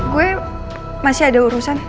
gue masih ada urusan